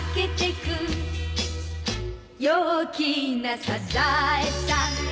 「陽気なサザエさん」